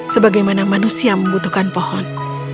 sebagaimana manusia membutuhkan pohon